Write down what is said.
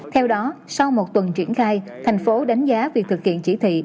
theo đó sau một tuần triển khai thành phố đánh giá việc thực hiện chỉ thị